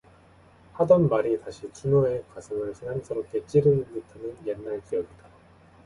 하던 말이 다시 춘우의 가슴을 새삼스럽게 찌르는 듯하는 옛날 기억이다.